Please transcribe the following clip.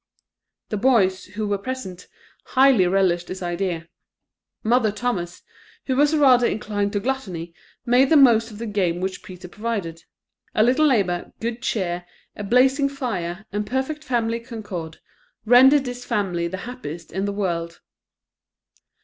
The boys, who were present, highly relished this idea. Mother Thomas, who was rather inclined to gluttony, made the most of the game which Peter provided. A little labour, good cheer, a blazing fire, and perfect family concord, rendered this family the happiest in the world.